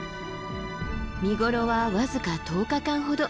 見頃は僅か１０日間ほど。